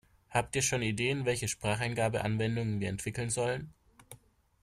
Habt ihr schon Ideen, welche Spracheingabe-Anwendungen wir entwickeln sollen?